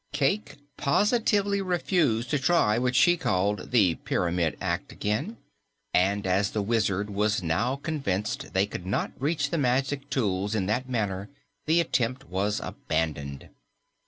Cayke positively refused to try what she called "the pyramid act" again, and as the Wizard was now convinced they could not reach the magic tools in that manner, the attempt was abandoned.